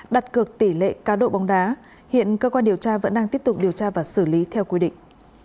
đặt cược tỷ lệ cáo độ bóng đá hiện cơ quan điều tra vẫn đang tiếp tục điều tra và xử lý theo quy định